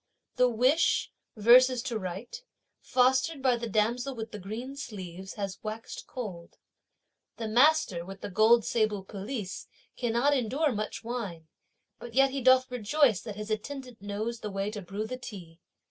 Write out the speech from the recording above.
The wish, verses to write, fostered by the damsel with the green sleeves, has waxéd cold. The master, with the gold sable pelisse, cannot endure much wine. But yet he doth rejoice that his attendant knows the way to brew the tea.